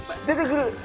出てくる。